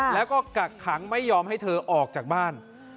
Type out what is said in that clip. แล้วก็กักขังไม่ยอมให้เธอออกจากบ้าน